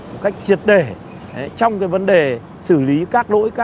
một cách triệt để trong cái vấn đề xử lý các lỗi các lỗi